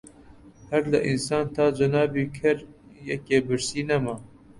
هەر لە ئینسان تا جەنابی کەر یەکێ برسی نەما